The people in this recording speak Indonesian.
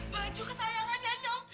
baju kesayangan nyanyom